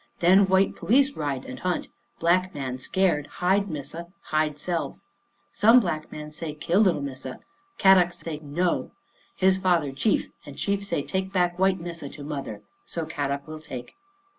Then white police ride and hunt. Black man scared, hide Missa, hide selves. Some black men say kill little Missa. Kadok say ' No.' His father chief, and chief say, ' Take back white Missa to mother.' So Kadok will take."